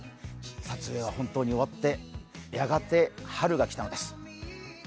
撮影は本当に終わってやがて春が来たのです。